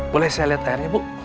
boleh saya lihat tadi bu